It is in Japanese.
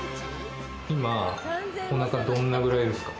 今おなかどんなぐらいですか？